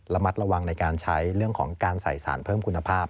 ระมัดระวังในการใช้เรื่องของการใส่สารเพิ่มคุณภาพ